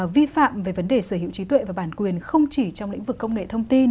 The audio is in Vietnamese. vi phạm về vấn đề sở hữu trí tuệ và bản quyền không chỉ trong lĩnh vực công nghệ thông tin